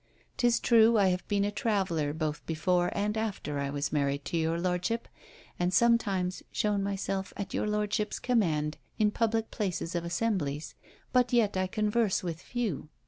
'Tis true I have been a traveller both before and after I was married to your lordship, and some times shown myself at your lordship's command in public places or assemblies, but yet I converse with few.